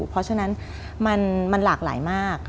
เพราะฉะนั้นมันหลากหลายมาก